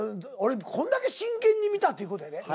俺こんだけ真剣に見たっていう事やで。